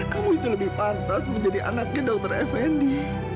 kamu itu lebih pantas menjadi anaknya dr effendi